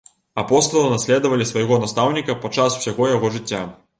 Апосталы наследавалі свайго настаўніка падчас усяго яго жыцця.